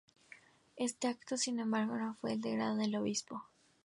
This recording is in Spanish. Este acto, sin embargo, no fue del agrado del obispo.